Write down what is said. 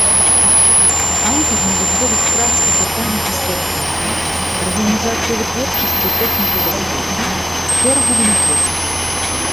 Аўтар навуковых прац па пытаннях асвятлення, арганізацыі вытворчасці і тэхнікі бяспекі, шэрага вынаходстваў.